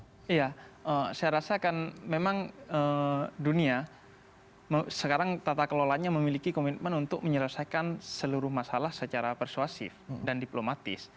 iya saya rasa kan memang dunia sekarang tata kelolanya memiliki komitmen untuk menyelesaikan seluruh masalah secara persuasif dan diplomatis